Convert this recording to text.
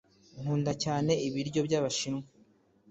nkunda cyane ibiryo byabashinwa